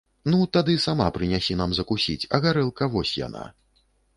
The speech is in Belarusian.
Ну, тады сама прынясі нам закусіць, а гарэлка вось яна.